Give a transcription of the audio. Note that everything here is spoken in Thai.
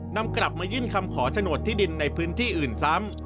นำกลับมายื่นคำขอโฉนดที่ดินในพื้นที่อื่นซ้ำ